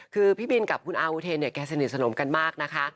คือพี่บินกับคุณอาอุเทนเนี่ยแกสนิทสนมกันมากนะคะ